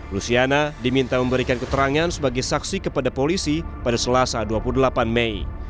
luciana diminta memberikan keterangan sebagai saksi kepada polisi pada selasa dua puluh delapan mei